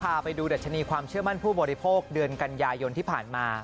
พาไปดูดัชนีความเชื่อมั่นผู้บริโภคเดือนกันยายนที่ผ่านมา